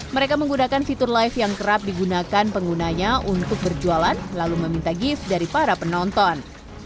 mereka menggunakan fitur live yang kerap digunakan penggunanya untuk berjualan lalu meminta gift dari para penonton